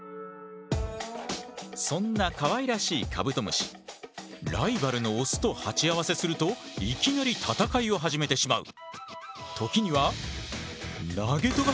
そんなかわいらしいカブトムシライバルのオスと鉢合わせするといきなり戦いを始めてしまう。